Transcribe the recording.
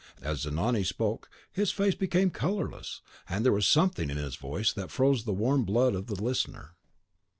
As Zanoni spoke, his face became colourless, and there was something in his voice that froze the warm blood of the listener.